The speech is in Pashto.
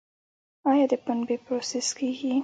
آیا د پنبې پروسس کیږي؟